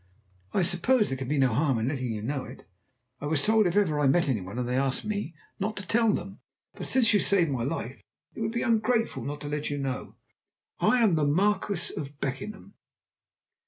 "I suppose there can be no harm in letting you know it. I was told if ever I met any one and they asked me, not to tell them. But since you saved my life it would be ungrateful not to let you know. I am the Marquis of Beckenham."